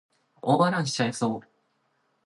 オーバーランしちゃいそう